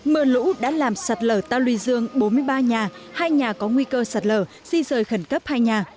mưa lũ đã làm sạt lở tao lùi dương bốn mươi ba nhà hai nhà có nguy cơ sạt lở di rời khẩn cấp hai nhà